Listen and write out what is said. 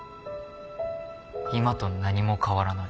今と何も変わらない。